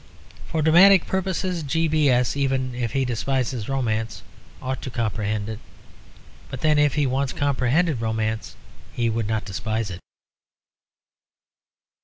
For dramatic purposes, G. B. S., even if he despises romance, ought to comprehend it. But then, if once he comprehended romance, he would not despise it.